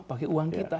pakai uang kita